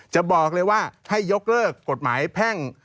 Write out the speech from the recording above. จะบอกเลยว่าให้ยกเลิกกฎหมายแพ่ง